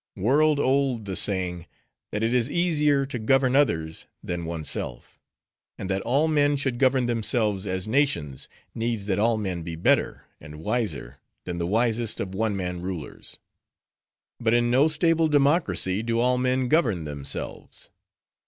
"World old the saying, that it is easier to govern others, than oneself. And that all men should govern themselves as nations, needs that all men be better, and wiser, than the wisest of one man rulers. But in no stable democracy do all men govern themselves.